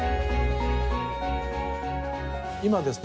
今ですね